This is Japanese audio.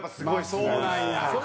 そうなんや。